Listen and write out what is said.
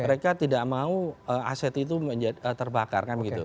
mereka tidak mau aset itu terbakar kan gitu